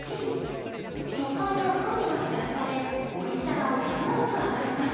食感や風味がプラスされおいしさがワンランク上がります。